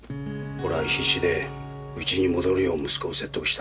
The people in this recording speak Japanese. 俺は必死でうちに戻るよう息子を説得した。